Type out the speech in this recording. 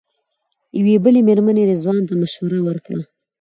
یوې بلې مېرمنې رضوان ته مشوره ورکړه.